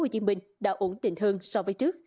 tp hcm đã ổn định hơn so với trước